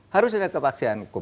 harus ada kepaksaan hukum